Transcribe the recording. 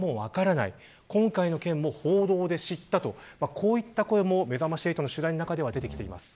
こういった声も、めざまし８の取材で出てきています。